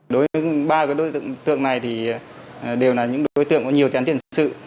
đối với ba đối tượng này thì đều là những đối tượng có nhiều tiền sự